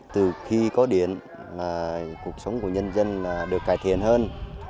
từ khi có điện cuộc sống của nhân dân được cải thiện hơn